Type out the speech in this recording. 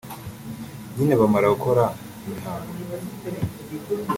nyine bamara gukora imihango